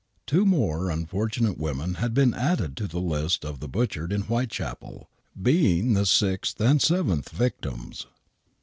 Two more unfortunate women had been added to the list of the butchered in Whitechapel, being the sixth and seventh victims.